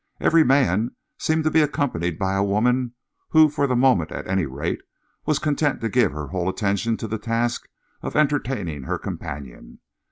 Every man seemed to be accompanied by a woman who for the moment, at any rate, was content to give her whole attention to the task of entertaining her companion.